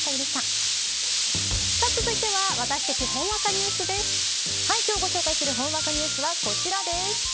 続いては今日ご紹介するほんわかニュースはこちらです。